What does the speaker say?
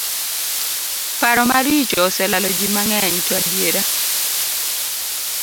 Paro maricho oselalo ji mang'eny to adiera.